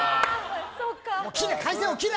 回線を切れ！